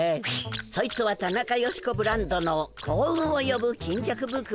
そいつはタナカヨシコブランドの幸運をよぶ巾着袋だよ。